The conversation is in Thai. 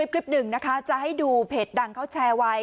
คลิปหนึ่งนะคะจะให้ดูเพจดังเขาแชร์ไว้